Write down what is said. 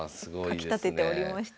かきたてておりました。